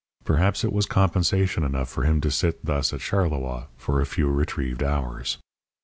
Perhaps it was compensation enough for him to sit thus at Charleroi for a few retrieved hours.